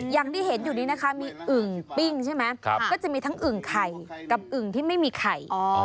อย่างที่เห็นอยู่นี้นะคะมีอึ่งปิ้งใช่ไหมก็จะมีทั้งอึ่งไข่กับอึ่งที่ไม่มีไข่